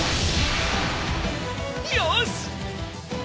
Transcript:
よし！